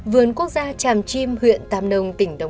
vườn quốc gia tràm chim huyện tàm nông tp châu đốc